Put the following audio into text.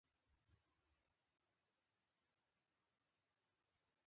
تر ماښامه پورې دلته مېله روانه وه.